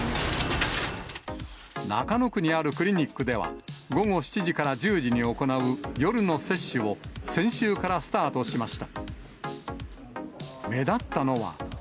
中野区にあるクリニックでは、午後７時から１０時に行う夜の接種を、先週からスタートしました。